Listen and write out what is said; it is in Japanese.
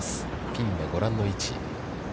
ピンはご覧の位置。